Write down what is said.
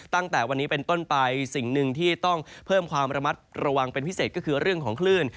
ตั้งแต่วันนี้เป็นต้นไปสิ่งหนึ่งที่ต้องเพิ่มความระมัดระวังเป็นพิเศษก็คือเรื่องของคลื่น